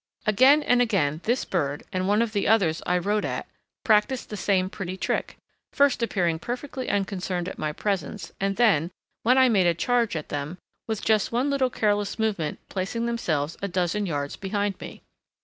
Again and again this bird, and one of the others I rode at, practised the same pretty trick, first appearing perfectly unconcerned at my presence and then, when I made a charge at them, with just one little careless movement placing themselves a dozen yards behind me.